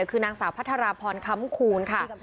คือนางสาวพัทรพรคำคูณค่ะ